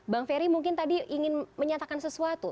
bang ferry mungkin tadi ingin menyatakan sesuatu